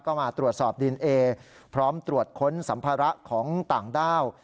ก็มาตรวจสอบดีเอนเอพร้อมตรวจค้นสัมภาระของต่างด้าว